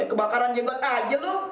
eh kebakaran jenggot aja lu